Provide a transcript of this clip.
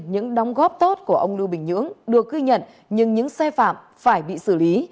những đóng góp tốt của ông lưu bình nhưỡng được ghi nhận nhưng những xe phạm phải bị xử lý